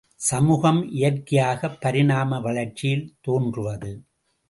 சமூகம் இயற்கையாகப் பரிணாம வளர்ச்சியில் தோன்றுவது.